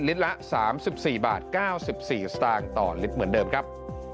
ละ๓๔บาท๙๔สตางค์ต่อลิตรเหมือนเดิมครับ